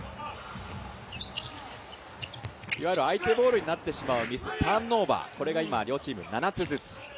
相手ボールになってしまうミス、ターンオーバー、これが今、両チーム７つずつ。